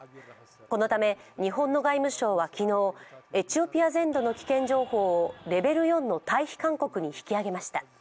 このため日本の外務省は昨日、エチオピア全土の危険情報をレベル４の退避勧告に引き上げました。